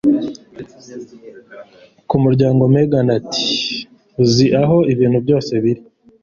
Ku muryango, Megan ati: "Uzi aho ibintu byose biri."